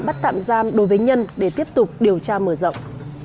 bắt tạm giam đối với nhân để tiếp tục điều tra mở rộng